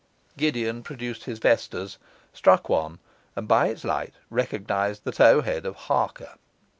Gideon produced his vestas, struck one, and by its light recognized the tow head of Harker.